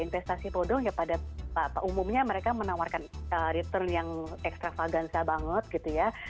investasi bodoh ya pada umumnya mereka menawarkan return yang ekstravagansa banget gitu ya